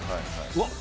うわっ！